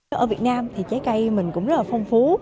ở việt nam thì trái cây mình cũng rất là phong phú